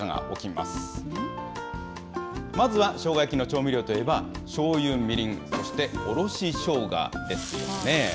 まずはしょうが焼きの調味料といえばしょうゆ、みりん、そしておろししょうがですよね。